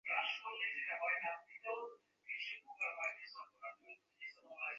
তিনি একটি ছদ্মনাম ইসকো অ্যানিনো ব্যবহার করেছিলেন।